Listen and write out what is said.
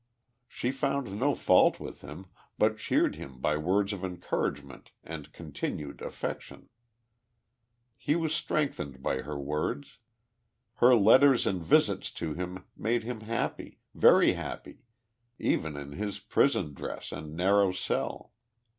She found no fault with him, but cheered him by words of encouragement and continued affection. lie was strengthened by her words. Her letters and visits to him made him happy, very happy, even in his prison dress and narrow cell.